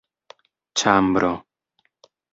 ĉambro